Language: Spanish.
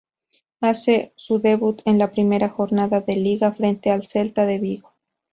Hace su debut en la primera jornada de liga frente al Celta de Vigo.